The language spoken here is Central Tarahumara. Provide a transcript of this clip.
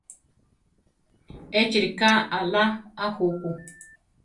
Échi ríka aʼlá a juku.